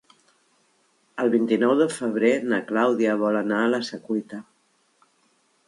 El vint-i-nou de febrer na Clàudia vol anar a la Secuita.